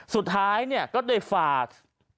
สุดท้ายก็เลยฝาก